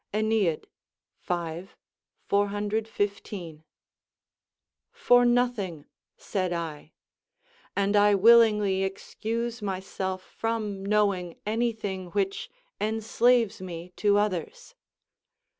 AEneid, V. 415.] "for nothing," said I; and I willingly excuse myself from knowing anything which enslaves me to others.